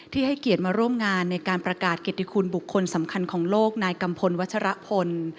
ให้เกียรติมาร่วมงานในการประกาศเกียรติคุณบุคคลสำคัญของโลกนายกัมพลวัชรพล